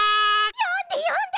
よんでよんで！